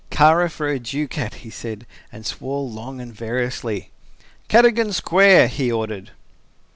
"Kara for a ducat!" he said, and swore long and variously. "Cadogan Square," he ordered.